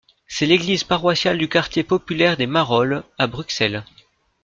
C'est l'église paroissiale du quartier populaire des Marolles, à Bruxelles.